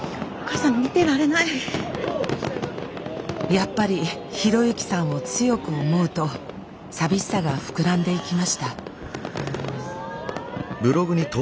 やっぱり啓之さんを強く思うと寂しさが膨らんでいきました。